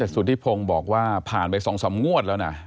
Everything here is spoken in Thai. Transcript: แต่สูตรที่ผมบอกว่าผ่านไป๒๓งวดแล้วนะ